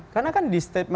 karena kan di statement saya